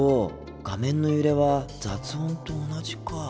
画面の揺れは雑音と同じか。